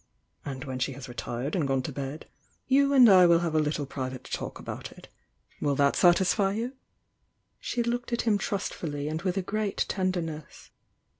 And when she has retired and gone to bed, you and I will have a Uttle private talk about it. Will that satisfy you?" She looked . him trustfully and with a great tenderness.